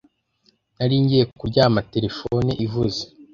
Nari ngiye kuryama telefone ivuze